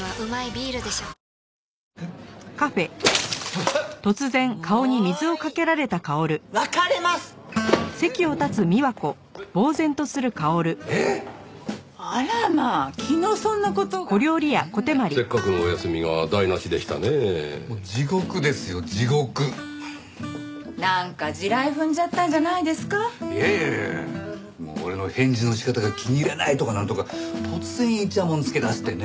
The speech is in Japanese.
いやいやいや俺の返事の仕方が気に入らないとかなんとか突然いちゃもんつけだしてね。